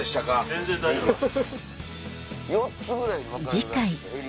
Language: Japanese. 全然大丈夫です。